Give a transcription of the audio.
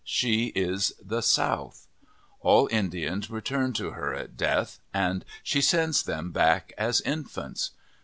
She is the South. All Indians return to her at death and she sends them back as infants.